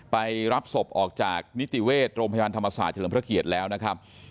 ไปรับศพออกจากนิติเวชโรงพยาบาลธรรมศาสตร์เฉลิมพระเกียรติแล้วนะครับ